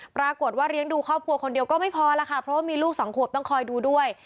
ปรากฏว่าเลี้ยงดูครอบครัวคนเดียวก็ไม่พอแล้วค่ะเพราะว่ามีลูกสองขวบต้องคอยดูด้วย